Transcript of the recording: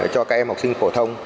cho các em học sinh phổ thông